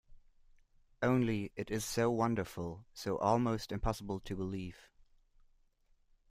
Only, it is so wonderful, so almost impossible to believe.